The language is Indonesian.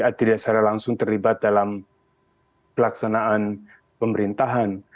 tidak secara langsung terlibat dalam pelaksanaan pemerintahan